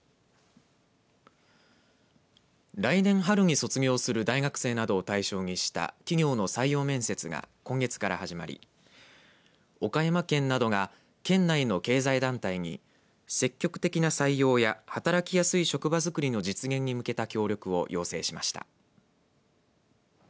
来年春に卒業する大学生などを対象にした企業の採用面接が今月から始まり岡山県などが県内の経済団体に積極的な採用や働きやすい職場づくりの実現に向けた協力を要請しました。